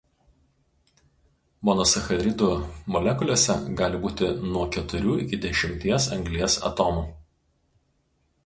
Monosacharidų molekulėse gali būti nuo keturių iki dešimties anglies atomų.